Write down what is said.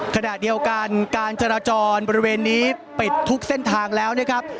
ขณะเดียวกันการจราจรบริเวณนี้ปิดทุกเส้นทางแล้วนะครับ